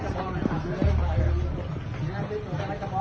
สวัสดีครับสวัสดีครับ